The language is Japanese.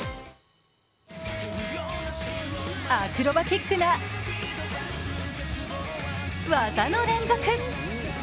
アクロバティックな技の連続。